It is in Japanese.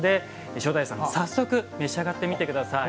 塩鯛さん、早速召し上がってみてください。